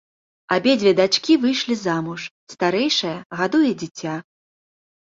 Абедзве дачкі выйшлі замуж, старэйшая гадуе дзіця.